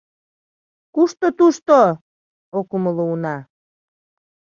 — Кушто тушто? — ок умыло уна.